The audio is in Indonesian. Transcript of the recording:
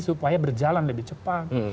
supaya berjalan lebih cepat